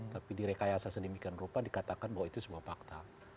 tapi di rekayasa sedemikian rupa dikatakan bahwa itu sebuah fakta